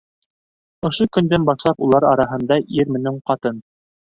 Ошо көндән башлап улар араһында ир менән ҡатын